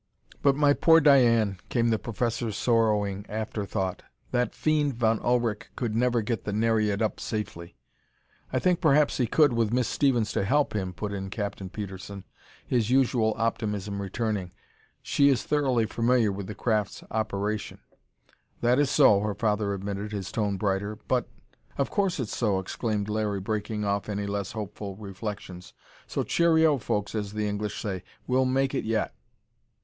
"But my poor Diane!" came the professor's sorrowing after thought. "That fiend Von Ullrich could never get the Nereid up safely." "I think perhaps he could, with Miss Stevens to help him," put in Captain Petersen, his usual optimism returning. "She is thoroughly familiar with the craft's operation." "That is so," her father admitted, his tone brighter. "But " "Of course it's so!" exclaimed Larry, breaking off any less hopeful reflections. "So cheerio, folks, as the English say. We'll make it yet!"